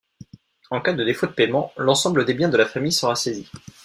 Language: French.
En cas de défaut de paiement, l'ensemble des biens de la famille sera saisi.